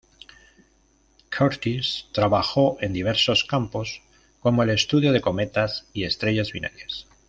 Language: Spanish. Curtis trabajó en diversos campos como el estudio de cometas y estrellas binarias.